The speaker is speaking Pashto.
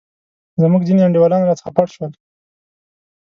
زموږ ځیني انډیوالان راڅخه پټ شول.